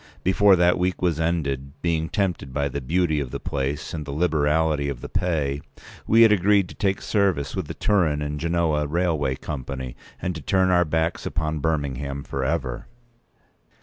Before that week was ended, being tempted by the beauty of the place and the liberality of the pay, we had agreed to take service with the Turin and Genoa Railway Company, and to turn our backs upon Birmingham for ever.